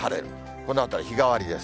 このあたりは日替わりです。